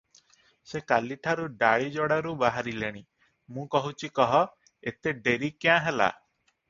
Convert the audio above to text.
ସେ କାଲିଠାରୁ ଡାଳିଯୋଡ଼ାରୁ ବାହାରିଲେଣି, ମୁଁ କହୁଛି କହ, ଏତେ ଡେରି କ୍ୟାଁ ହେଲା?